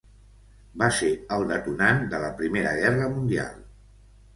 Va ser el detonant de la Primera Guerra Mundial.